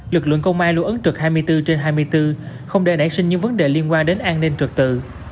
lực lượng công ai lưu ấn trực hai mươi bốn trên hai mươi bốn không để đại sinh những vấn đề liên quan đến an ninh trực tự